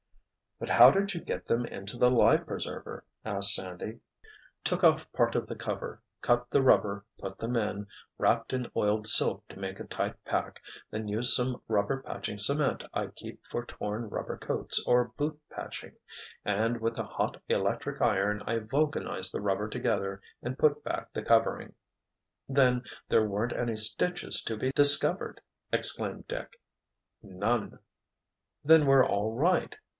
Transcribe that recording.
"But how did you get them into the life preserver?" asked Sandy. "Took off part of the cover, cut the rubber, put them in, wrapped in oiled silk to make a tight pack, then used some rubber patching cement I keep for torn rubber coats or boot patching, and with a hot electric iron I vulcanized the rubber together and put back the covering." "Then there weren't any stitches to be discovered!" exclaimed Dick. "None!" "Then we're all right!"